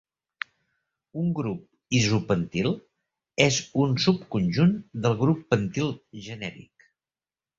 Un grup isopentil és un subconjunt del grup pentil genèric.